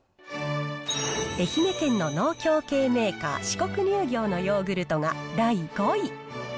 愛媛県の農協系メーカー、四国乳業のヨーグルトが第５位。